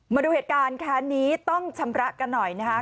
มาดูเหตุการณ์แค้นนี้ต้องชำระกันหน่อยนะคะ